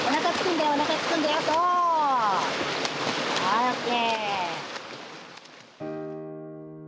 はいＯＫ！